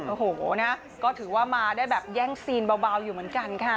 โอ้โหนะก็ถือว่ามาได้แบบแย่งซีนเบาอยู่เหมือนกันค่ะ